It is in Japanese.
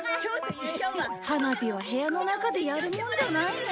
花火は部屋の中でやるもんじゃないね。